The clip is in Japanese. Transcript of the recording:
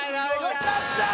よかったー！